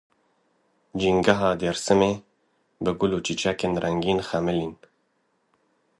Jîngeha Dêrsimê bi gul û çîçekên rengîn xemilî.